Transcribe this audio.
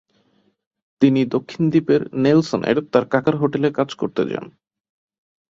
তিনি দক্ষিণ দ্বীপের নেলসনের তার কাকার হোটেলে কাজ করতে যান।